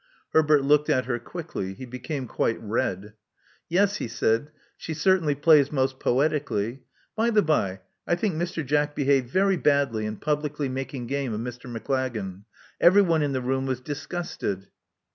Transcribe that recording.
Herbert looked at her quickly: he became quite red. Yes," he said, she certainly plays most poetically. By the bye, I think Mr. Jack behaved very badly iji publicly making game of Mr. Maclagan. Everybody in the room was disgusted."